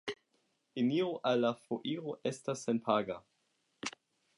Eniro al la foiro estas senpaga.